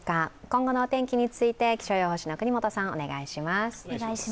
今後のお天気について、気象予報士の國本さん、お願いします。